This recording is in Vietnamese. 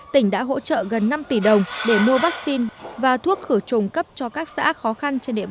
tỉnh đã hỗ trợ gần năm tỷ đồng để mua vaccine và thuốc khử trùng cấp cho các xã khó khăn trên địa